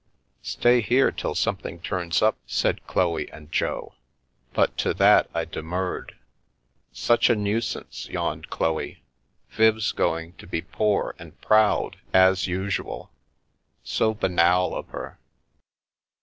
" Stay here till something turns up," said Chloe and Jo, but to that I demurred. "Such a nuisance," yawned Chloe, "Viv's going to be poor and proud, as usual. So banal of her."